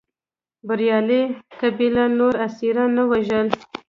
بریالۍ قبیلې نور اسیران نه وژل.